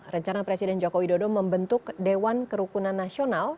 rencana presiden joko widodo membentuk dewan kerukunan nasional